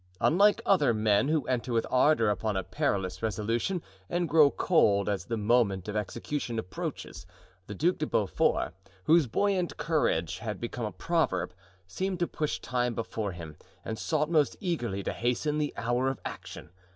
Unlike other men, who enter with ardor upon a perilous resolution and grow cold as the moment of execution approaches, the Duc de Beaufort, whose buoyant courage had become a proverb, seemed to push time before him and sought most eagerly to hasten the hour of action.